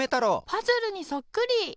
パズルにそっくり！